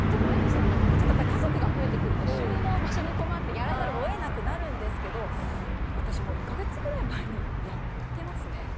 家族が増えてくると収納場所に困ってくるとやらざるを得なくなるんですが私、１か月ぐらい前にやっていますね。